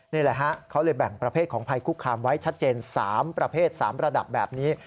นี่แหละฮะเขาเลยแบ่งประเภทของภัยคุกคามไว้ชัดเจน๓ประเภท๓ระดับแบบนี้